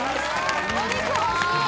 お肉欲しい！